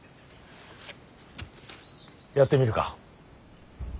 やってみるか。